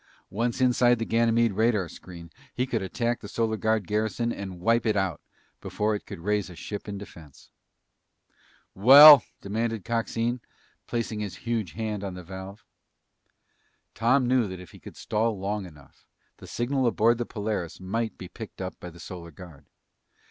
Once inside the Ganymede radar screen, he could attack the Solar Guard garrison and wipe it out before it could raise a ship in defense. "Well?" demanded Coxine, placing his huge hand on the valve. Tom knew that if he could stall long enough, the signal aboard the Polaris might be picked up by the Solar Guard.